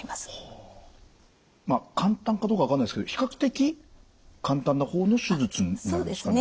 簡単かどうか分かんないですけど比較的簡単なほうの手術なんですかね？